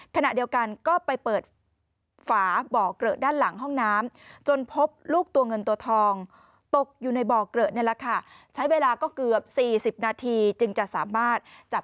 ขณะเดียวกันก็ไปเปิดฝาบ่อเกลือด้านหลังห้องน้ำ